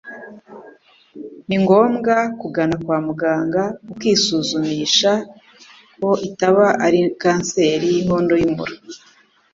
ni ngombwa kugana kwa muganga ukisuzumisha ko itaba ari kanseri y'inkondo y'umura